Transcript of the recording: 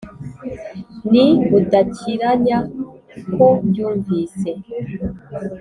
ni budakiranya uko mbyumkvise